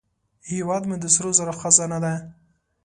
هیواد مې د سرو زرو خزانه ده